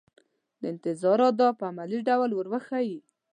د انتظار آداب په عملي ډول ور وښيي.